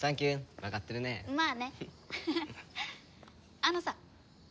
あのさ